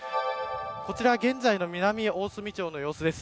こちら現在の南大隅町の様子です。